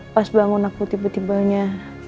pas bangun aku tiba tibanya